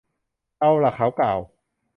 เอาล่ะ เขากล่าว